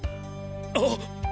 あっ！